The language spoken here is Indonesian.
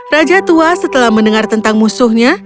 raja tua setelah mendengar tentang musuhnya